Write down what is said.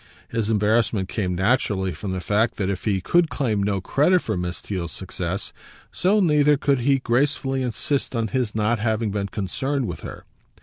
His embarrassment came naturally from the fact that if he could claim no credit for Miss Theale's success, so neither could he gracefully insist on his not having been concerned with her.